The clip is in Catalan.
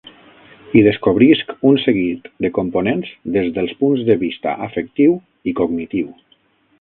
Hi descobrisc un seguit de components des dels punts de vista afectiu i cognitiu.